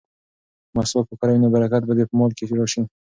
که مسواک وکاروې نو برکت به دې په مال کې راشي.